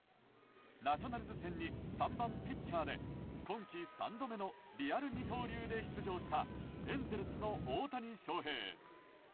ナショナルズ戦に３番ピッチャーで、今季３度目のリアル二刀流で出場したエンゼルスの大谷翔平。